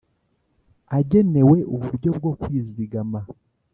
Agenewe uburyo bwokwizigama.